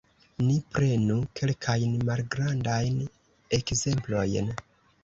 Ni prenu kelkajn malgrandajn ekzemplojn.